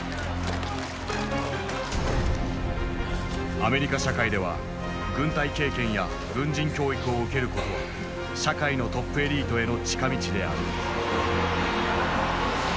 アメリカ社会では軍隊経験や軍人教育を受けることは社会のトップエリートへの近道である。